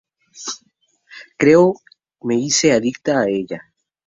Creo me hice adicta a ella.